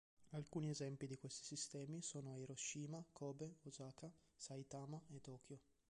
Alcuni esempi di questi sistemi sono a Hiroshima, Kobe, Osaka, Saitama e Tokyo.